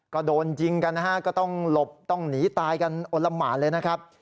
ก็โดนยิงกันต้องหลบก็ต้องหนีตายกันโอละหมาเลยน่ะครับ